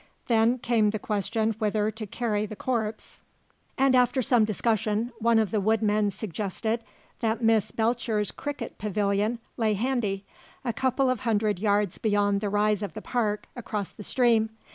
Then came the question whither to carry the corpse, and after some discussion one of the woodmen suggested that Miss Belcher's cricket pavilion lay handy, a couple of hundred yards beyond the rise of the park, across the stream.